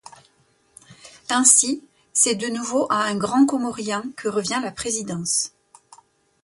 Ainsi, c’est de nouveau à un Grand-Comorien que revient la présidence.